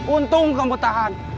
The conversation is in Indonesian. untung kamu tahan